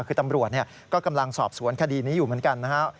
คือตำรวจก็กำลังสอบสวนคดีนี้อยู่เหมือนกันนะครับ